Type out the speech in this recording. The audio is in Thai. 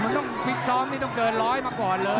มันต้องฟิตซ้อมนี่ต้องเกินร้อยมาก่อนเลย